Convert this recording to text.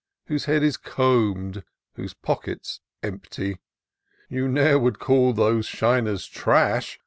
Whose head is comb'd, whose pocket's empty. You ne'er would call those shiners trash.